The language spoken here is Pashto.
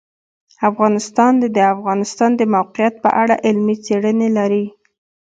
افغانستان د د افغانستان د موقعیت په اړه علمي څېړنې لري.